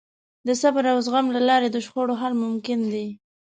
د صبر او زغم له لارې د شخړو حل ممکن دی.